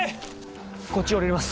こっち降りれます。